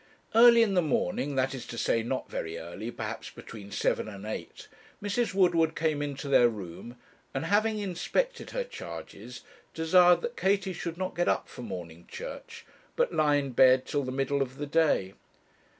Early in the morning that is to say, not very early, perhaps between seven and eight Mrs. Woodward came into their room, and having inspected her charges, desired that Katie should not get up for morning church, but lie in bed till the middle of the day.